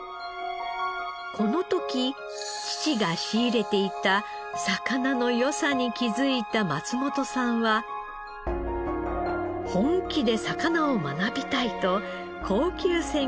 この時父が仕入れていた魚の良さに気づいた松本さんは本気で魚を学びたいと高級鮮魚店に転職。